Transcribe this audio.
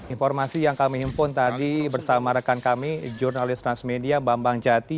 informasi yang kami impon tadi bersama rekan kami jurnalis transmedia bang bang jati